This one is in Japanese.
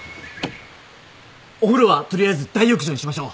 お風呂は取りあえず大浴場にしましょう。